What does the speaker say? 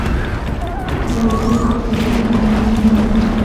ورزش دصیحت زامین ده